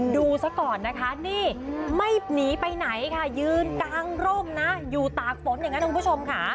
ดูซะก่อนนะคะนี่ไม่หนีไปไหนค่ะยืนกางร่มนะอยู่ตากฝนอย่างนั้นคุณผู้ชมค่ะ